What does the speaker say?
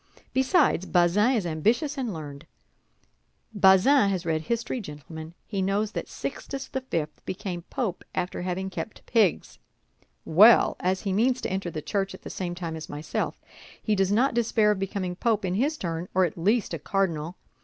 Besides, Bazin is ambitious and learned; Bazin has read history, gentlemen, he knows that Sixtus the Fifth became Pope after having kept pigs. Well, as he means to enter the Church at the same time as myself, he does not despair of becoming Pope in his turn, or at least a cardinal.